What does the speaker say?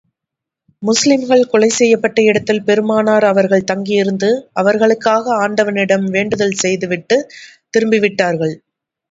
முஸ்லிம்கள் கொலை செய்யப்பட்ட இடத்தில் பெருமானார் அவர்கள் தங்கியிருந்து, அவர்களுக்காக ஆண்டவனிடம் வேண்டுதல் செய்து விட்டுத் திரும்பி விட்டார்கள்.